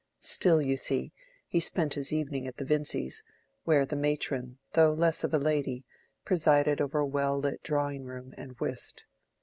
Still, you see, he spent his evenings at the Vincys', where the matron, though less of a lady, presided over a well lit drawing room and whist.